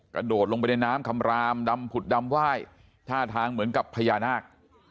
กระโดดลงไปในน้ำคำรามดำผุดดำไหว้ท่าทางเหมือนกับพญานาค